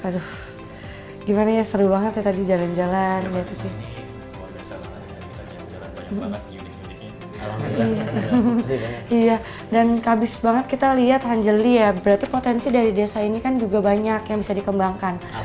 dan habis banget kita lihat hanjeli ya berarti potensi dari desa ini kan juga banyak yang bisa dikembangkan